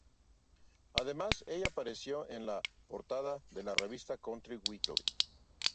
Además, ella apareció en la portada de la revista Country Weekly.